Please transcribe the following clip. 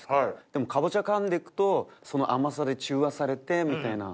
でもかぼちゃ噛んで行くとその甘さで中和されてみたいな。